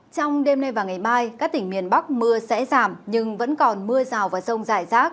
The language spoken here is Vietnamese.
trong đêm nay và ngày mai các tỉnh miền bắc mưa sẽ giảm nhưng vẫn còn mưa rào vào sông dài rác